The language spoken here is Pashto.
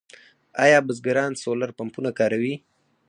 آیا بزګران سولر پمپونه کاروي؟